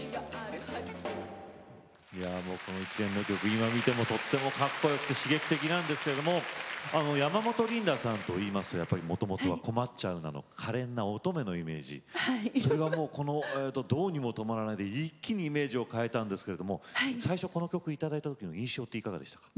今見てもとてもかっこよく刺激的なんですけど山本リンダさんといいますともともと「こまっちゃうナ」のかれんな乙女のイメージそれが「どうにもとまらない」で一気にイメージを変えたんですけれども最初、この曲をいただいたときの印象っていかがでしたか？